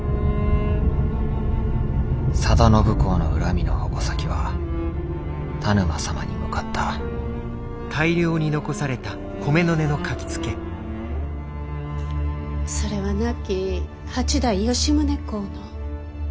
定信公の恨みの矛先は田沼様に向かったそれは亡き八代吉宗公の。